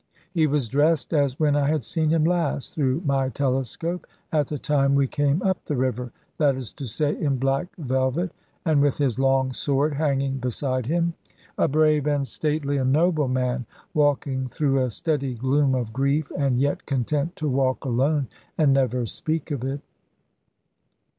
He was dressed as when I had seen him last through my telescope, at the time we came up the river; that is to say, in black velvet, and with his long sword hanging beside him. A brave, and stately, and noble man, walking through a steady gloom of grief, and yet content to walk alone, and never speak of it.